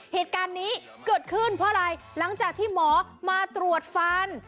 เหตุการณ์นี้เกิดขึ้นเพราะอะไรหลังจากที่หมอมาตรวจฟัน